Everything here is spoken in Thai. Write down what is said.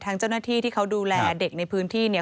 เจ้าหน้าที่ที่เขาดูแลเด็กในพื้นที่เนี่ย